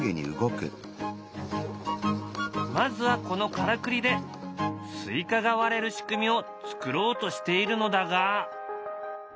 まずはこのからくりでスイカが割れる仕組みを作ろうとしているのだが。